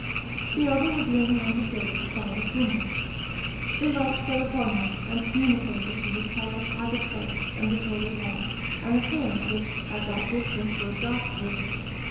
The other, was leaning on the sill of the farthest 156 Sketches by Boz. window. The light fell fall upon him, and communicated to his pale, haggard face, and disordered hair, an appearance which, at that distance, was ghastly.